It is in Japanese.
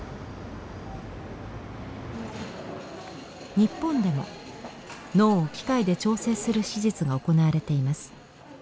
日本でも脳を機械で調整する手術が行われています。